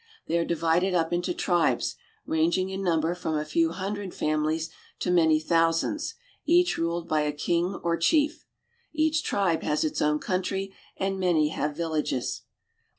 They are divided up into tribes, ranging in number from a few hun dred families to many thousands, each ruled by a king or chief. Each tribe has its own country, and many have villages.